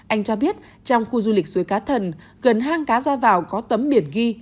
anh cho biết trong khu du lịch suối cá thần gần hang cá ra vào có tấm biển ghi